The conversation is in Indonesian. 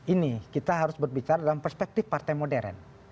ini kita harus berbicara dalam perspektif partai modern